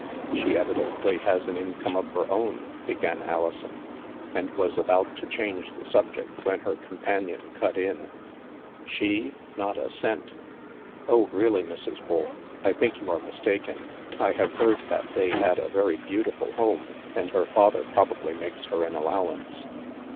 " She evidently has an income of her own," be gan Alison and was about to change the subject when her companion cut in. THE MAELSTROM 179 "She? Not a cent." "Oh, really, Mrs. Wolf, I think you are mis taken. I have heard that they had a very beautiful home, and her father probably makes her an allow ance.